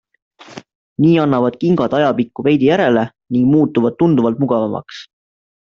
Nii annavad kingad ajapikku veidi järele ning muutuvad tunduvalt mugavamaks.